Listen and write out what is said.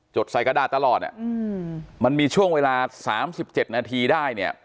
จดใส่กระดาษตลอดอ่ะอืมมันมีช่วงเวลาสามสิบเจ็ดนาทีได้เนี่ย